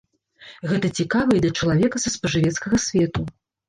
Гэта цікава і для чалавека са спажывецкага свету.